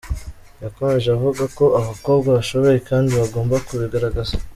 Yakomeje avuga ko abakobwa bashoboye kandi bagomba kubigaragaza.